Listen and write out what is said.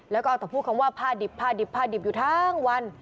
แล้วก็เอาแต่พูดคำว่าผ้าดิบผ้าดิบผ้าดิบอยู่ทั้งวัน